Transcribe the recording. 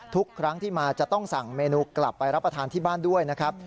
ทุกครั้งที่มาจะต้องสั่งเมนูกลับไปรับประทานที่บ้านด้วยนะครับ